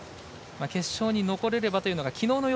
決勝に残れればというのがきのうのよ